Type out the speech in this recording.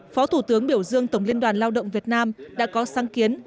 phó thủ tướng biểu dương tổng liên đoàn lao động việt nam đã có sáng kiến